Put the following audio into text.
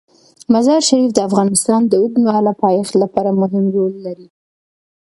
مزارشریف د افغانستان د اوږدمهاله پایښت لپاره مهم رول لري.